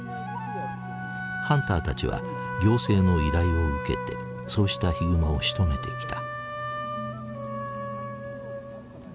ハンターたちは行政の依頼を受けてそうしたヒグマをしとめてきた。